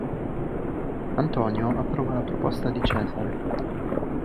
Antonio approva la proposta di Cesare.